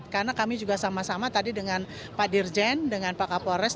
karena kami juga sama sama tadi dengan pak dirjen dengan pak kapolres